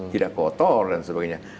tidak kotor dan sebagainya